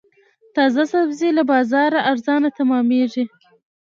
تازه سبزي له بازاره ارزانه تمامېږي.